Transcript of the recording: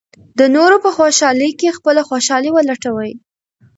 د نورو په خوشالۍ کې خپله خوشالي ولټوئ.